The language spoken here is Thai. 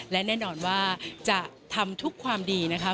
และแน่นอนว่าจะทำทุกความดีนะคะ